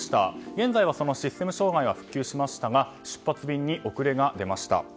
現在はシステム障害は復旧しましたが出発便に遅れが出ました。